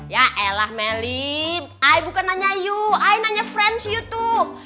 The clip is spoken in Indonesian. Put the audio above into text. yaelah meli i bukan nanya iu i nanya friends iu tuh